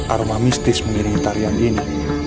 aroma mistis mengirimi tarian ini